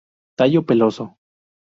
Tallo peloso.